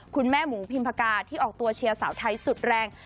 หมูพิมพากาที่ออกตัวเชียร์สาวไทยสุดแรง